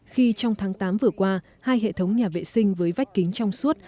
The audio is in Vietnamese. khi trong tháng tám vừa qua hai hệ thống nhà vệ sinh với vách kính trong suốt